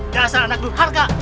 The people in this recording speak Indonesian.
gak asal anak durharkah